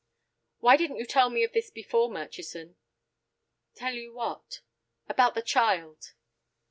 "Why didn't you tell me of this before, Murchison?" "Tell you what?" "About the child."